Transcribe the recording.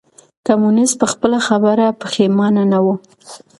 کمونيسټ په خپله خبره پښېمانه نه و.